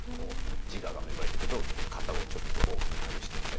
自我が芽生えてくると型をちょっとこう踏み外してみたり。